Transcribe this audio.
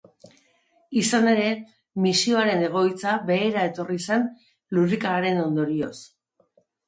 Izan ere, misioaren egoitza behera etorri zen lurrikararen ondorioz.